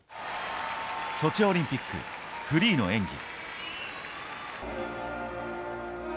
ソチオリンピック、フリーの演技。